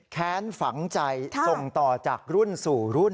แค้นฝังใจส่งต่อจากรุ่นสู่รุ่น